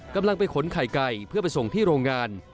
กำลังไปขนไข่ไก่เพื่อไปส่งที่โรงงาน